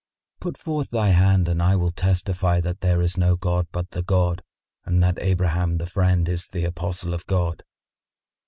Put forth thy hand and I will testify that there is no god but the God and that Abraham the Friend is the Apostle of God."